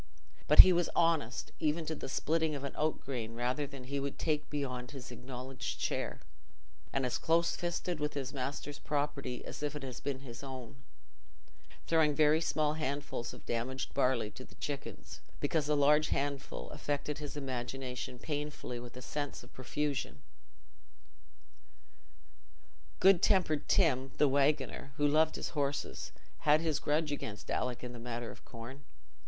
But he was honest even to the splitting of an oat grain rather than he would take beyond his acknowledged share, and as "close fisted" with his master's property as if it had been his own—throwing very small handfuls of damaged barley to the chickens, because a large handful affected his imagination painfully with a sense of profusion. Good tempered Tim, the waggoner, who loved his horses, had his grudge against Alick in the matter of corn.